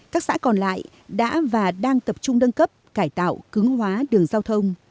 các xã còn lại đã và đang tập trung nâng cấp cải tạo cứng hóa đường giao thông